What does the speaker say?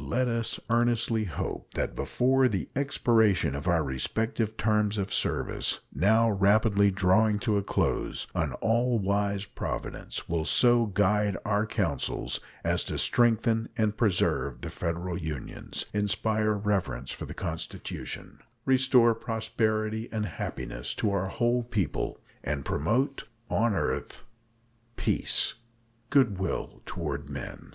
Let us earnestly hope that before the expiration of our respective terms of service, now rapidly drawing to a close, an all wise Providence will so guide our counsels as to strengthen and preserve the Federal Unions, inspire reverence for the Constitution, restore prosperity and happiness to our whole people, and promote "on earth peace, good will toward men."